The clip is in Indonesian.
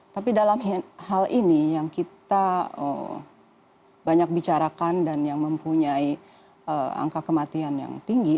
tapi dalam hal ini yang kita banyak bicarakan dan yang mempunyai angka kematian yang tinggi